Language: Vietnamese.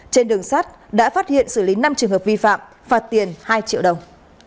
trên đường sát đã phát hiện xử lý năm trường hợp vi phạm phạt tiền hai triệu đồng